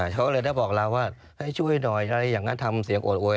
เขาก็เลยได้บอกเราว่าให้ช่วยหน่อยอะไรอย่างนั้นทำเสียงโอดโวย